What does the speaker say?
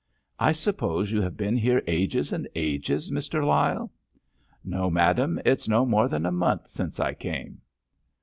"I suppose you have been here ages and ages, Mr. Lyle?" "No, madam, it's no more than a month since I came."